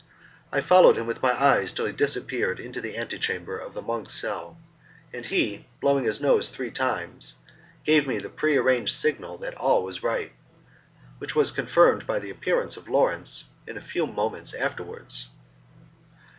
I followed him with my eyes till he disappeared into the ante chamber of the monk's cell, and he, blowing his nose three times, gave me the pre arranged signal that all was right, which was confirmed by the appearance of Lawrence in a few moments afterwards.